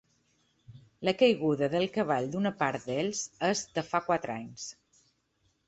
La caiguda del cavall d’una part d’ells és de fa quatre anys.